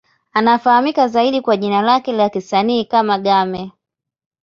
Anafahamika zaidi kwa jina lake la kisanii kama Game.